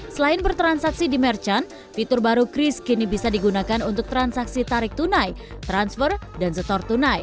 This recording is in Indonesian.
selain bertransaksi di merchant fitur baru kris kini bisa digunakan untuk transaksi tarik tunai transfer dan setor tunai